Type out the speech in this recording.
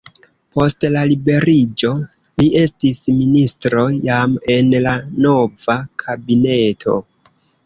Post la liberiĝo li estis ministro jam en la nova kabineto.